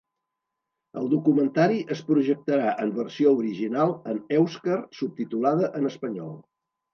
El documentari es projectarà en versió original en èuscar subtitulada en espanyol.